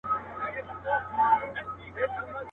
چي يې زړونه سوري كول د سركښانو.